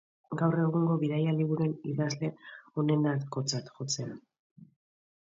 Egungo bidaia-liburuen idazle onenetakotzat jotzen da.